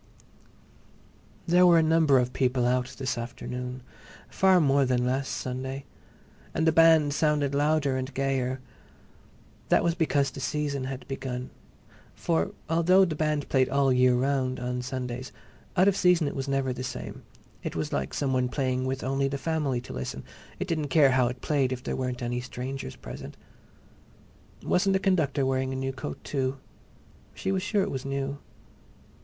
There were a number of people out this afternoon, far more than last Sunday. And the band sounded louder and gayer. That was because the Season had begun. For although the band played all the year round on Sundays, out of season it was never the same. It was like some one playing with only the family to listen; it didn't care how it played if there weren't any strangers present. Wasn't the conductor wearing a new coat, too? She was sure it was new.